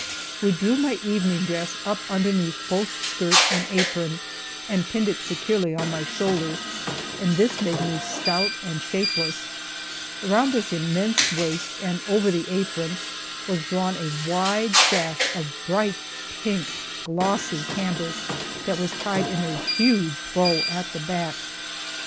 We drew my evening dress up underneath both skirt and apron and pinned it securely on my shoulders, and this made me stout and shapeless. Around this immense waist and over the apron was drawn a wide sash of bright pink, glossy cambric that was tied in a huge bow at the back.